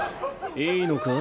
いいのか？